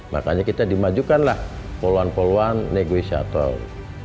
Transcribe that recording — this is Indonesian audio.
makanya kita dimajukan poluan poluan negosiatur